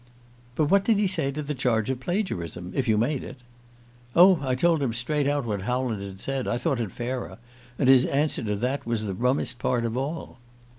"But what did he say to the charge of plagiarism if you made it?" "Oh, I told him straight out what Howland said. I thought it fairer. And his answer to that was the rummest part of all."